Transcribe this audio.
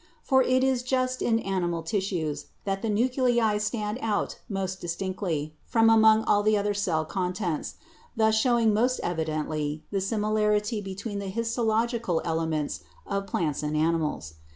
For it is just in animal cells that the nuclei stand out most dis tinctly from among all the other cell contents," thus showing most evidently the similarity between the his tological elements of plants and animals.